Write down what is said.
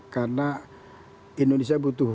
karena indonesia butuh